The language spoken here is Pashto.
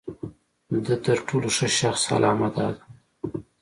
د تر ټولو ښه شخص علامه دا ده.